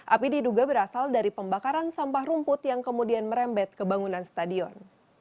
api diduga berasal dari pembakaran sampah rumput yang kemudian merembet ke bangunan stadion